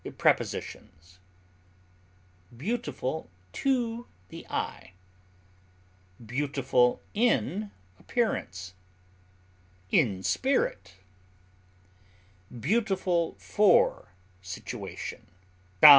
Prepositions: Beautiful to the eye; beautiful in appearance, in spirit; "beautiful for situation," _Ps.